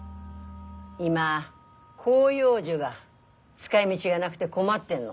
今広葉樹が使いみぢがなくて困ってんの。